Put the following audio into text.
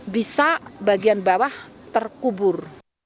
bisa bagian bawah terkubur